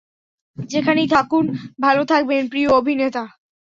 যেখানেই থাকুন ভালো থাকবেন প্রিয় অভিনেতা।